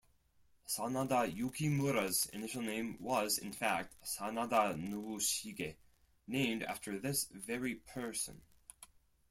Sanada Yukimura's initial name was, in fact, Sanada Nobushige, named after this very person.